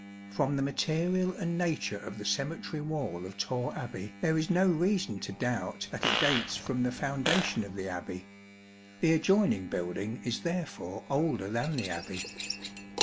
From the material and nature of the Cemetery wall of Torre Abbey there is no reason to doubt that it dates from the foundation of the Abbey, the adjoining building is therefore older than the Abbey.